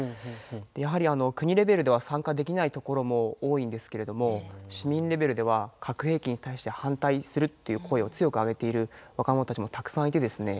やはり国レベルでは参加できないところも多いんですけれども市民レベルでは核兵器に対して反対するっていう声を強く上げている若者たちもたくさんいてですね